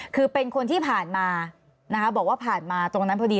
คือเป็นคนที่ผ่านมานะคะบอกว่าผ่านมาตรงนั้นพอดี